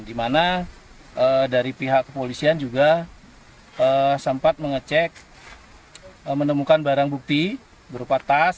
di mana dari pihak kepolisian juga sempat mengecek menemukan barang bukti berupa tas